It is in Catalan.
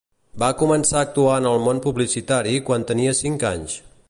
Va començar a actuar en el món publicitari quan tenia cinc anys.